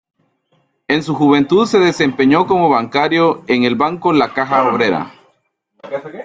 En su juventud se desempeñó como bancario en el Banco la Caja Obrera.